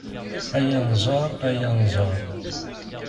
Ay Anẓar, ay Anẓar